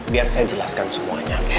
biar saya jelaskan semuanya